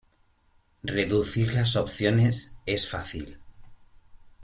Reducir las opciones es fácil.